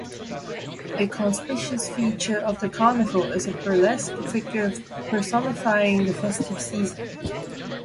A conspicuous feature of the Carnival is a burlesque figure personifying the festive season.